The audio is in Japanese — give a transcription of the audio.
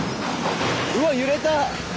うわ揺れた！